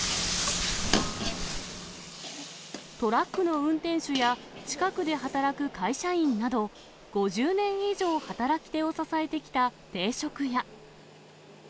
トラックの運転手や近くで働く会社員など、５０年以上働き手を支えてきた定食屋。